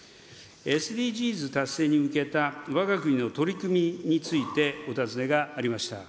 ＳＤＧｓ達成に向けたわが国の取り組みについて、お尋ねがありました。